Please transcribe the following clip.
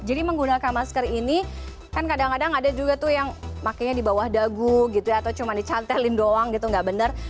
jadi menggunakan masker ini kan kadang kadang ada juga tuh yang makanya di bawah dagu gitu ya atau cuma dicantelin doang gitu nggak bener